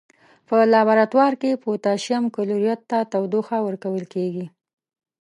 په لابراتوار کې پوتاشیم کلوریت ته تودوخه ورکول کیږي.